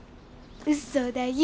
うそだよ。